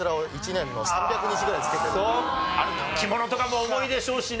とにかく着物とかも重いでしょうしね。